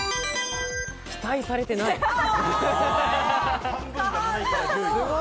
期待されてない。